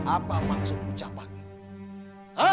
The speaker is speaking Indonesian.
apa maksud ucapan ini